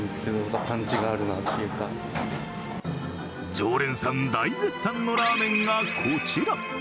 常連さん大絶賛のラーメンがこちら。